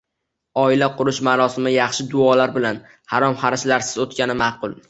Oila qurish marosimi yaxshi duolar bilan, harom-xarishlarsiz o‘tgani ma’qul.